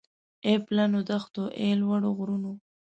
اې پلنو دښتو اې لوړو غرونو